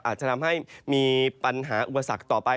อาจจะทำให้มีปัญหาอุปสรรคต่อไป